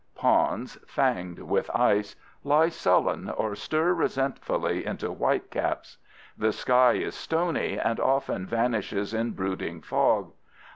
Ponds, fanged with ice, lie sullen or stir resentfully into whitecaps. The sky is stony and often vanishes in brooding fog.